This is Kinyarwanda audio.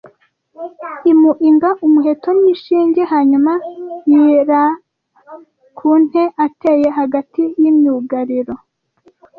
imu inga umuheto n’ishinge hanyuma yiara ku ntee ateye hagati y’imyugariro